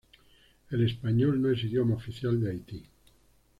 El español no es idioma oficial de Haití.